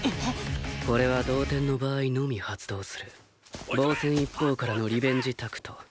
これは同点の場合のみ発動する防戦一方からのリベンジタクト。